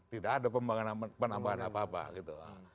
tidak ada penambahan apa apa gitu